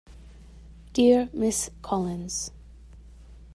Dear Ms Collins.